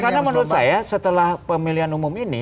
karena menurut saya setelah pemilihan umum ini